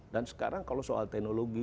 dan sekarang kalau soal teknologi